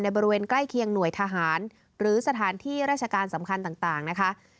บริเวณใกล้เคียงหน่วยทหารหรือสถานที่ราชการสำคัญต่างนะคะ